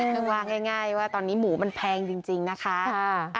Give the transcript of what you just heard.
ข้างว่าง่ายว่าตอนนี้หมูมันแพงจริงนะคะ